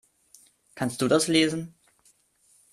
Kannst du das lesen?